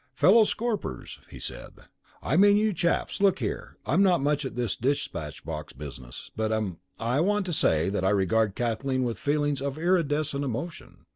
"Fellow Scorpers," he said, "I mean you chaps, look here, I'm not much at this dispatch box business, but hem I want to say that I regard Kathleen with feelings of iridescent emotion.